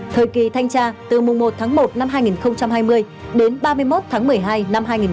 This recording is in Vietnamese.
thời kỳ thanh tra từ mùng một tháng một năm hai nghìn hai mươi đến ba mươi một tháng một mươi hai năm hai nghìn hai mươi